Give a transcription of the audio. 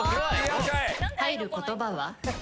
入る言葉は？